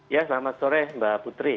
ya selamat sore mbak putri